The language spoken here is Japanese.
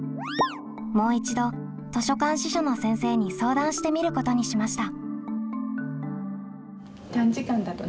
もう一度図書館司書の先生に相談してみることにしました。